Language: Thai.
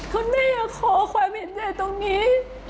คุณแม่อยากขอความเห็นใจตรงนี้